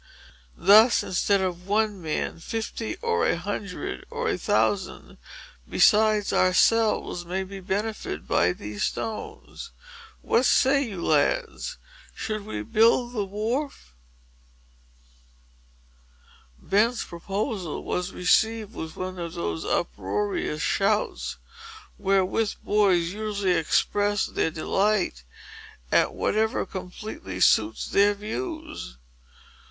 Thus, instead of one man, fifty, or a hundred, or a thousand, besides ourselves, may be benefited by these stones. What say you, lads?—shall we build the wharf?" Ben's proposal was received with one of those uproarious shouts, wherewith boys usually express their delight at whatever completely suits their views.